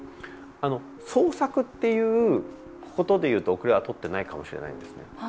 創作ということでいうと後れはとってないかもしれないんですね。